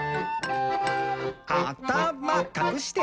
「あたまかくして！」